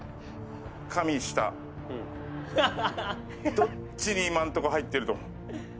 どっちに今のところ入ってると思う？